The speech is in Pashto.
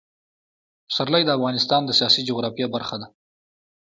پسرلی د افغانستان د سیاسي جغرافیه برخه ده.